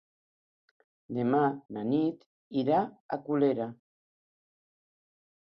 Demà na Nit irà a Colera.